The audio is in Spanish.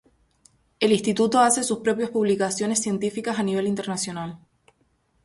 El Instituto hace sus propias publicaciones científicas a nivel internacional.